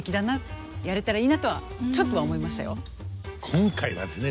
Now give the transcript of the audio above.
今回はですね